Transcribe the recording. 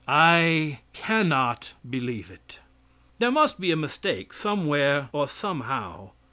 I cannot believe it. There must be a mistake somewhere or somehow.